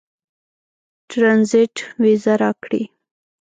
ټرنزیټ وېزه راکړي.